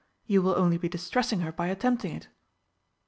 You will only be distressing her by attempting it."